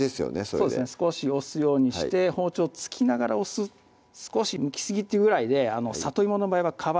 そうですね少し押すようにして包丁を突きながら押す少しむきすぎっていうぐらいでさといもの場合は皮